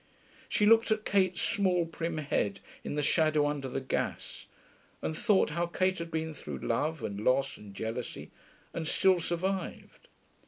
She looked at Kate's small, prim head in the shadow under the gas, and thought how Kate had been through love and loss and jealousy and still survived.